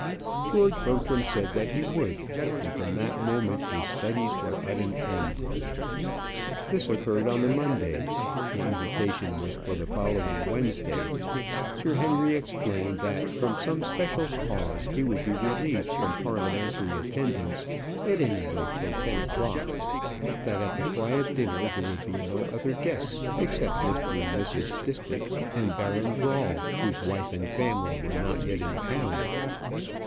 George Bertram said that he would; and from that moment his studies were at an end. This occurred on the Monday. The invitation was for the following Wednesday. Sir Henry explained that from some special cause he would be relieved from parliamentary attendance, at any rate till ten o'clock; that at the quiet dinner there would be no other guests except Mr. and Mrs. Stistick, and Baron Brawl, whose wife and family were not yet in town.